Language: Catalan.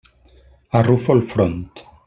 Arrufo el front.